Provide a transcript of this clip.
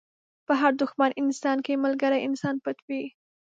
په هر دښمن انسان کې ملګری انسان پټ وي.